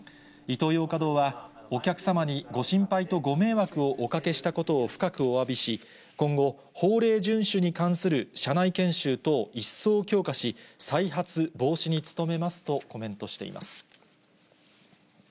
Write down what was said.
イトーヨーカ堂は、お客様にご心配とご迷惑をおかけしたことを深くおわびし、今後、法令順守に関する社内研修等、一層強化し、再発防止に努めますとコメントしています。